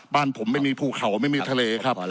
บ้านผมไม่มีภูเขาไม่มีทะเลครับ